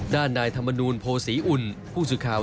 ด้านนายธรรมนูลโภษีอุ่นผู้สื่อข่าว